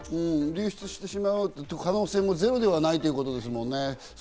流出する可能性もゼロではないということですもんね。